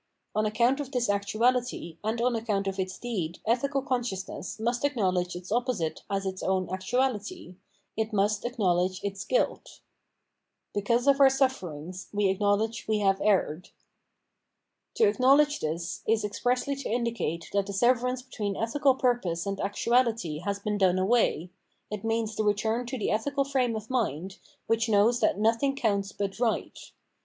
On account of this actuality and on account of its deed ethical consciousness must acknowledge its opposite as its own actuality ; it must acknowledge its guilt. Because of our sufierings we acknowledge we have erred.* To acknowledge this, is expressly to indicate that the severance between ethical purpose and actuality has been done away ; it means the return to the ethical frame of mind, which knows that nothing counts but right.